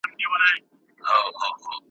لا په غاړه د لوټونو امېلونه !.